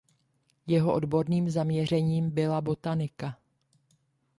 Jeho odborným zaměřením byla botanika.